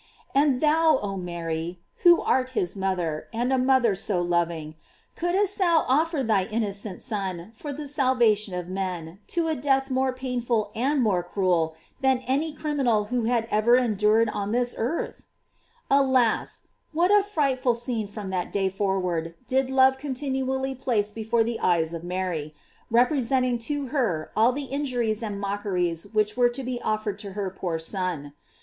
And thou, oh Mary ! who art his mother, and a mother so loving, couldst thou offer thy innocent Son foi the salvation of men, to a death more painful and more cruel than any criminal had ever enr dured on this earth? GLORIES OF MAEY. 467 Alas! what a fearful scene from that day for ward did love continually place before the eyei of Mary, representing to her all the injuries and mockeries which were to be offered to her poor Son!